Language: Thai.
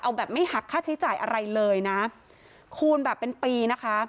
เอาแบบไม่หักค่าใช้จ่ายอะไรเลยนะคูณแบบเป็นปีนะคะ